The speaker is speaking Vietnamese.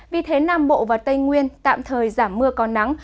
vì thế nam bộ và tây nguyên tạm thời giảm mưa còn nắng